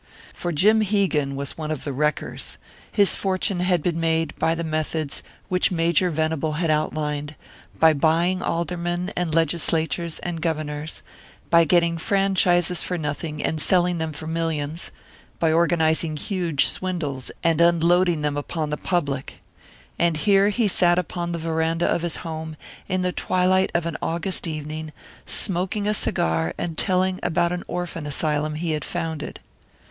For Jim Hegan was one of the wreckers. His fortune had been made by the methods which Major Venable had outlined, by buying aldermen and legislatures and governors; by getting franchises for nothing and selling them for millions; by organising huge swindles and unloading them upon the public. And here he sat upon the veranda of his home, in the twilight of an August evening, smoking a cigar and telling about an orphan asylum he had founded!